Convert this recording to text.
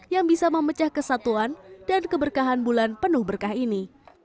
yang bisa memecah kesatuan dan keberkahan bulan penuh berkah ini